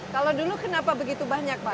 kalau dulu kenapa begitu banyak pak